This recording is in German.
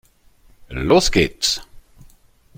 Los geht's!